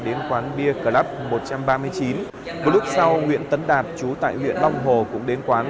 đến quán bia club một trăm ba mươi chín vào lúc sau nguyễn tấn đạt chú tại huyện long hồ cũng đến quán